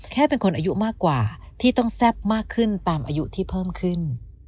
แค่เป็นคนอายุมากกว่าที่ต้องแซ่บมากขึ้นตามอายุที่เพิ่มขึ้น